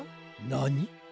なに！？